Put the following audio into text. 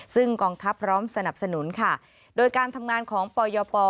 ซึ่งกองทัพพร้อมสนับสนุนค่ะโดยการทำงานของปยป